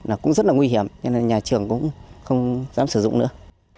nó cũng rất là nguy hiểm nên là nhà trường cũng không dám sử dụng nữa